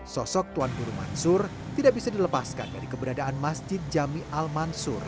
sosok tuan guru mansur tidak bisa dilepaskan dari keberadaan masjid jami al mansur